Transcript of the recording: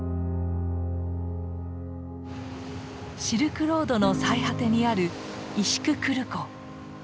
シルクロードの最果てにあるイシク・クル湖。